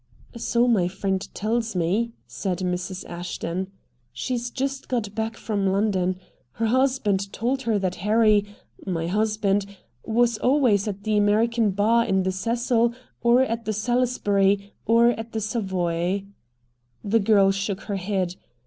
"So my friend tells me," said Mrs. Ashton. "She's just got back from London. Her husband told her that Harry, my husband, was always at the American bar in the Cecil or at the Salisbury or the Savoy." The girl shook her head.